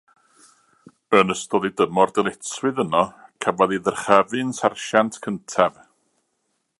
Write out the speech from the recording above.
Yn ystod ei dymor dyletswydd yno, cafodd ei ddyrchafu'n sarsiant cyntaf.